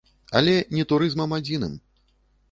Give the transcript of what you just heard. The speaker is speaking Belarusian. Але не турызмам адзіным.